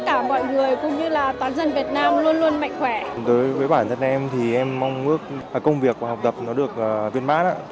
đối với bản thân em thì em mong ước công việc và học tập nó được viên bát